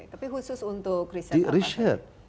tapi khusus untuk riset apa